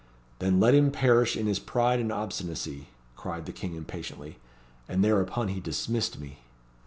'Then let him perish in his pride and obstinacy,' cried the King impatiently. And thereupon he dismissed me."